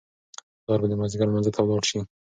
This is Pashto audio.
پلار به د مازیګر لمانځه ته ولاړ شي.